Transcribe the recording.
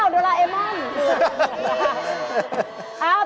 ดูลลาเอม่อน